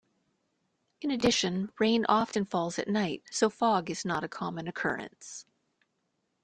In addition, rain often falls at night, so fog is not a common occurrence.